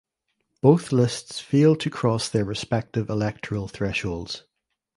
Both lists failed to cross their respective electoral thresholds.